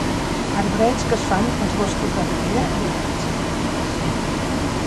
Arbrets que es fan als boscos de ribera i en bardisses humides.